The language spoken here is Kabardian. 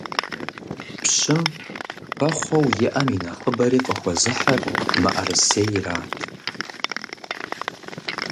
Пщым хэхъуэу иӀэм и нэхъыбэри къыхуэзыхьыр мыӀэрысейрат.